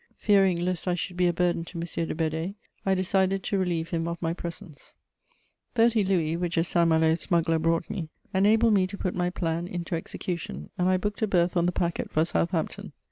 Fearing lest I should be a burden to M. de Bedée, I decided to relieve him of my presence. [Sidenote: I set sail for England.] Thirty louis, which a Saint Malo smuggler brought me, enabled me to put my plan into execution, and I booked a berth on the packet for Southampton.